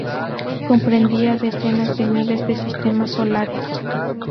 Comprendía decenas de miles de sistemas solares.